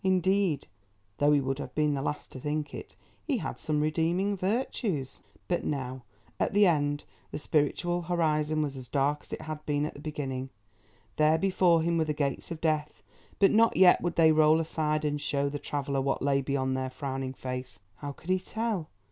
Indeed, though he would have been the last to think it, he had some redeeming virtues. But now at the end the spiritual horizon was as dark as it had been at the beginning. There before him were the Gates of Death, but not yet would they roll aside and show the traveller what lay beyond their frowning face. How could he tell?